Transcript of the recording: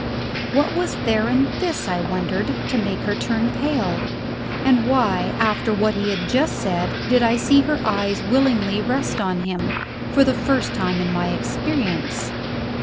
What was there in this (I wondered) to make her turn pale? And why, after what he had just said, did I see her eyes willingly rest on him, for the first time in my experience?